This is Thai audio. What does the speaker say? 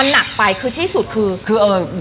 อะนี่ก็ที่สุดเหมือนกัน